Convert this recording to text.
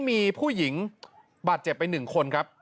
มีผู้หญิงบาดเจ็บไป๑คนครับ